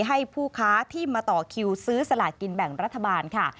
ให้ผู้ค้าที่มาต่อคิวซื้อสลากินแบ่งรัฐบาลค่ะ